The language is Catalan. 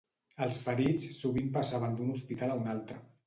Els ferits sovint passaven d'un hospital a un altre